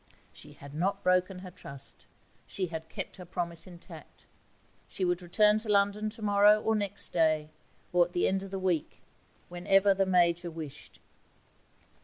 She had not broken her trust; she had kept her promise intact; she would return to London tomorrow or next day, or at the end of the week, whenever the Major wished.